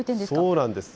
そうなんです。